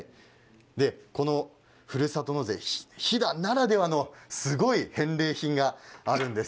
ふるさと納税、飛弾ならではのすごい返礼品があるんです。